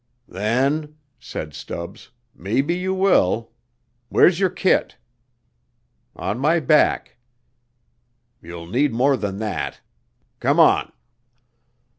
"Then," said Stubbs, "maybe you will. Where's your kit?" "On my back." "You'll need more than that. Come on."